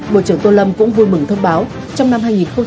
bộ trưởng tô lâm cũng vui mừng thông báo trong năm hai nghìn hai mươi ba